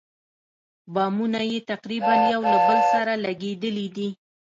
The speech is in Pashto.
بامونه یې تقریباً یو له بل سره لګېدلي دي.